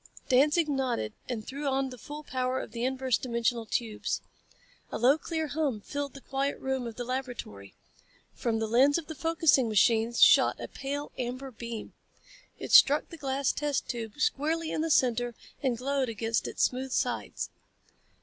Danzig nodded and threw on the full power of the inverse dimensional tubes. A low clear hum filled the quiet room of the laboratory. From the lens of the focusing machine shot a pale, amber beam. It struck the glass test tube squarely in the center and glowed against its smooth sides.